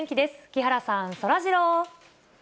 木原さん、そらジロー。